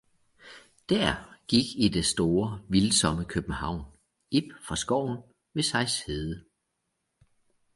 Dér gik i det store, vildsomme København Ib fra skoven ved Sejshede.